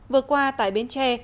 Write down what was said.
vừa qua tại bến tre